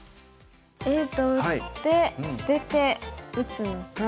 Ａと打って捨てて打つのか。